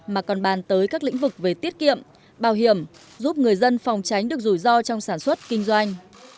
mà còn bàn tới các lĩnh vực về tiết kiệm bảo hiểm giúp người dân phòng tránh được rủi ro trong sản xuất kinh doanh